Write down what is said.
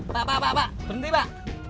tak apa pak berhenti pak